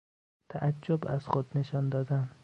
تعجب از خود نشان دادن